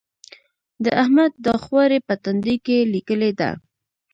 د احمد دا خواري په تندي کې ليکلې ده.